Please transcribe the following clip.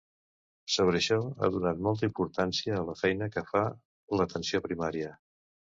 Sobre això, ha donat molta importància a la feina que fa l’atenció primària.